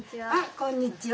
こんにちは。